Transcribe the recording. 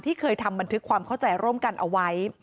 เคยทำบันทึกความเข้าใจร่วมกันเอาไว้